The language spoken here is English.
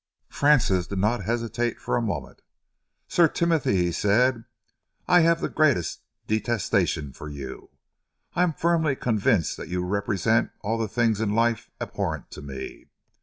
Francis did not hesitate for a moment. "Sir Timothy," he said, "I have the greatest detestation for you, and I am firmly convinced that you represent all the things in life abhorrent to me.